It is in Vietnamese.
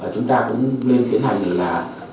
chúng ta cũng nên tiến hành là